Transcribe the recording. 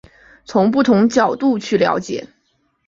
从不同角度去了解